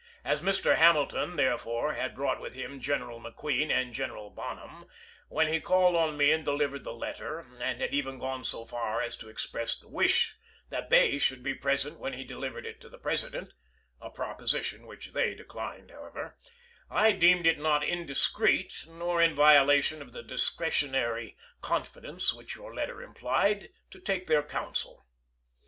As Mr. Hamilton, therefore, had brought with him General McQueen and General Bonham, when he called on me and delivered the letter, and had even gone so far as to express the wish that they should be present when he delivered it to the President, — a propo sition which they declined, however, — I deemed it not indiscreet, nor in violation of the discretionary confidence which your letter implied, to take their counsel.